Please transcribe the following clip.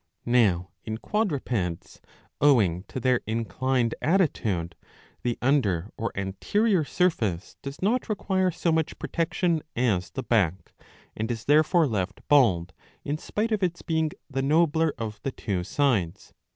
Now, in quadrupeds, owing to their inclined attitude, the under or anterior surface does not require so much protection as the back, and is therefore left bald, in spite of its being the nobler of the two sides.